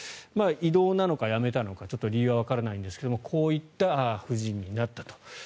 異動なのか辞めたのか理由はわからないんですがこういった布陣になったと。